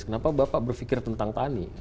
kenapa bapak berpikir tentang tani